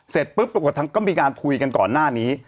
เสร็จปุ๊บปรากฏทั้งก็มีการคุยกันก่อนหน้านี้